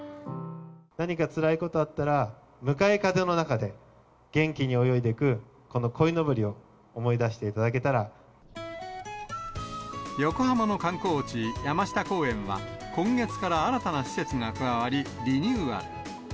何かつらいことあったら、向かい風の中で元気に泳いでいく、このこいのぼりを思い出していた横浜の観光地、山下公園は、今月から新たな施設が加わり、リニューアル。